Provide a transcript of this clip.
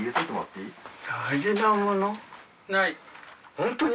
ホントに？